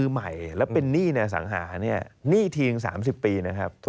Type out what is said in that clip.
หน้าสังหาเนี่ยหนี้ทีถึง๓๐ปีนะครับ